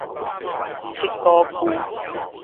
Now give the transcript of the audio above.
七股區